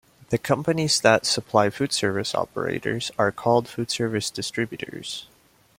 The companies that supply foodservice operators are called foodservice distributors.